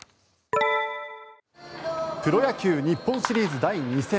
プロ野球日本シリーズ第２戦。